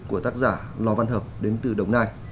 của tác giả lò văn hợp đến từ đồng nai